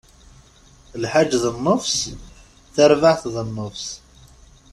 Lḥaǧ d nnefṣ, tarbaɛt d nnefṣ.